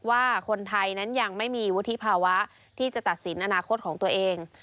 ว่าคนไทยนั้นยังไม่มีวุฒิภาวะที่จะตัดสินอนาคตของตัวเอง